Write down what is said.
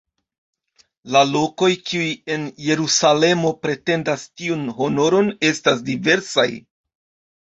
La lokoj kiuj en Jerusalemo pretendas tiun honoron estas diversaj.